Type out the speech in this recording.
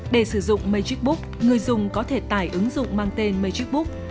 để sử dụng magic book người dùng có thể tải ứng dụng mang tên machit book